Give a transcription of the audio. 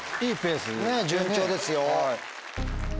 ねぇ順調ですよ。